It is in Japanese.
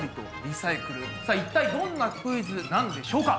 さあ一体どんなクイズなんでしょうか？